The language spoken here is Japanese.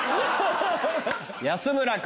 安村君。